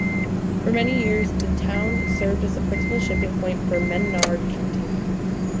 For many years, the town served as the principal shipping point for Menard County.